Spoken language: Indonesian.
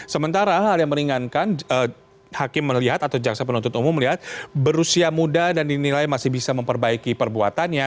sementara hal yang meringankan hakim melihat atau jaksa penuntut umum melihat berusia muda dan dinilai masih bisa memperbaiki perbuatannya